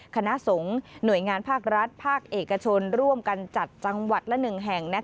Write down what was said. คณะสงฆ์หน่วยงานภาครัฐภาคเอกชนร่วมกันจัดจังหวัดละ๑แห่ง